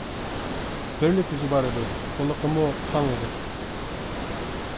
بىرلا كۆزى بار ئىدى، قۇلىقىمۇ پاڭ ئىدى.